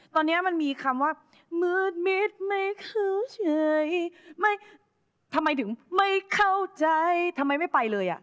ตอนนี้มันมีคำว่ามืดมิดไม่เข้าเฉยไม่ทำไมถึงไม่เข้าใจทำไมไม่ไปเลยอ่ะ